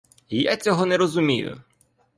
Я цього не розумію!